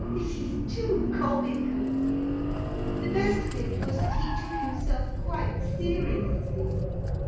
It is too comical. The best of it was that he took himself quite seriously.